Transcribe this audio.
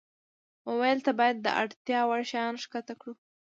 موبایل ته باید د اړتیا وړ شیان ښکته کړو.